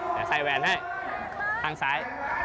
แล้วใส่แว่นให้ข้างซ้าย